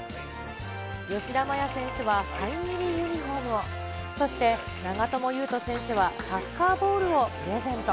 吉田麻也選手はサイン入りユニホームを、そして長友佑都選手はサッカーボールをプレゼント。